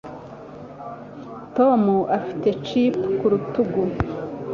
Tom afite chip ku rutugu